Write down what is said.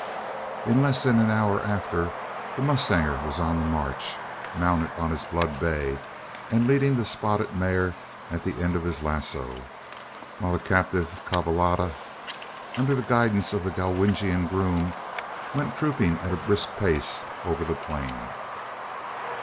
In less than an hour after, the mustanger was on the march, mounted on his blood bay, and leading the spotted mare at the end of his lazo; while the captive cavallada, under the guidance of the Galwegian groom, went trooping at a brisk pace over the plain.